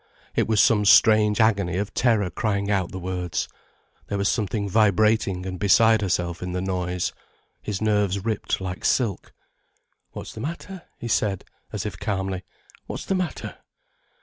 It was some strange agony of terror crying out the words. There was something vibrating and beside herself in the noise. His nerves ripped like silk. "What's the matter?" he said, as if calmly. "What's the matter?"